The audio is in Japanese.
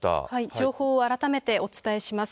情報を改めてお伝えします。